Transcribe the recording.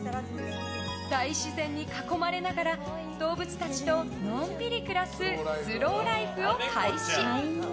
大自然に囲まれながら動物たちとのんびり暮らすスローライフを開始。